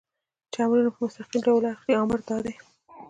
چې امرونه په مستقیم ډول اخلئ، امر دا دی.